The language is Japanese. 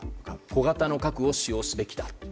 小型の核を使用すべきだと。